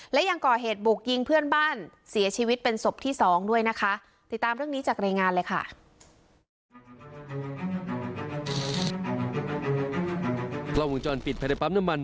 และยังก่อเหตุบุกยิงเพื่อนบ้านเสียชีวิตเป็นศพที่สองด้วยนะคะ